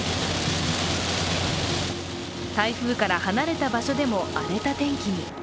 台風から離れた場所でも荒れた天気に。